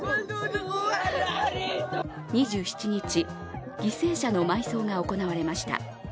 ２７日、犠牲者の埋葬が行われました。